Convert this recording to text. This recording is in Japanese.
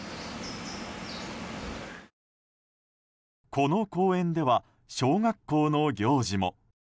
この公園では小学校の行事も。